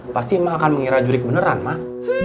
pasti mak akan mengira jurik beneran mak